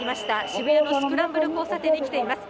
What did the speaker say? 渋谷のスクランブル交差点に来ています。